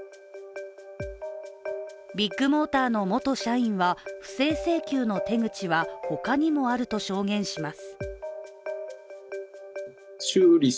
ビッグモーターの元社員は不正請求の手口は他にもあると証言します。